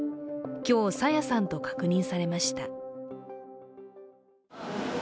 今日、朝芽さんと確認されました。